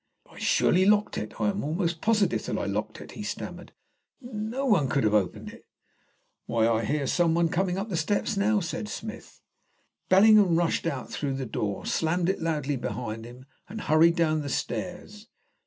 "I surely locked it. I am almost positive that I locked it," he stammered. "No one could have opened it." "Why, I hear someone coming up the steps now," said Smith. Bellingham rushed out through the door, slammed it loudly behind him, and hurried down the stairs.